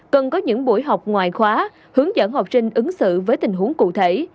cần có những buổi học ngoại khóa hướng dẫn học sinh ứng xử với tình huống cụ thể